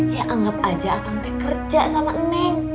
ya anggap aja akang teh kerja sama neng